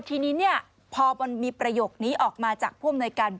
ทีนี้พอมันมีประโยคนี้ออกมาจากผู้อำนวยการ